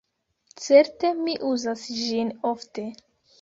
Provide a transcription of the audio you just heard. Certe, mi uzas ĝin ofte.